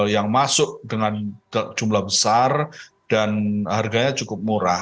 yang masuk dengan jumlah besar dan harganya cukup murah